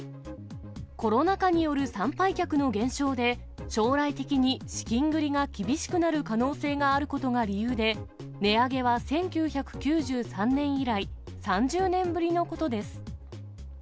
コロナ禍による参拝客の減少で、将来的に資金繰りが厳しくなる可能性があることが理由で、値上げは１９９３年以来、３０年ぶりのことです。